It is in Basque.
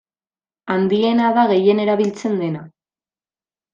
Handiena da gehien erabiltzen dena.